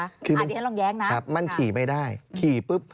อ่าเดี๋ยวเราลองแย้งนะครับครับมันขี่ไม่ได้ขี่ปุ๊บ